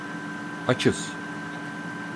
Açız.